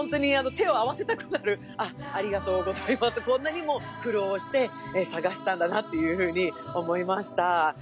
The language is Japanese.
手を合わせたくなる、ありがとうございます、こんなにも苦労をして探したんだなというふうに思いました。